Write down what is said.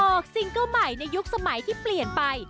ซิงเกิ้ลใหม่ในยุคสมัยที่เปลี่ยนไป